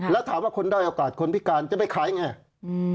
และถามว่าคนได้โอกาสคนพิการจะไปขายอย่างไร